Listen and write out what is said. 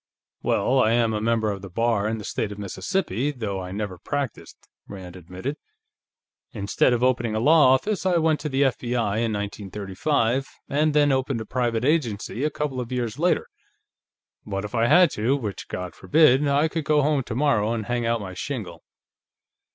"Well, I am a member of the Bar in the State of Mississippi, though I never practiced," Rand admitted. "Instead of opening a law office, I went into the F.B.I., in 1935, and then opened a private agency a couple of years later. But if I had to, which God forbid, I could go home tomorrow and hang out my shingle."